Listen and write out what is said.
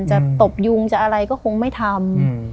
ตบยุงจะอะไรก็คงไม่ทำ